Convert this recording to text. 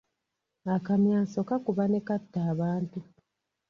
Akamyaso kakuba ne katta abantu.